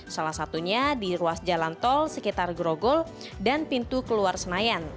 salah satunya di ruas jalan tol sekitar grogol dan pintu keluar senayan